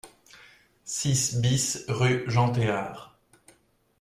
six BIS rue Jean Théard